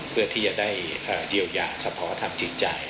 เพื่อที่จะได้เยียวยาสะพอธรรมจิตใจ